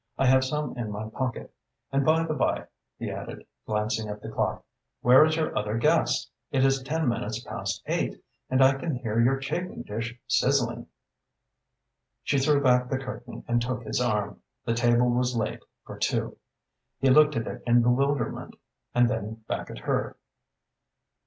I have some in my pocket. And by the by," he added, glancing at the clock, "where is your other guest? It is ten minutes past eight, and I can hear your chafing dish sizzling." She threw back the curtain and took his arm. The table was laid for two. He looked at it in bewilderment and then back at her.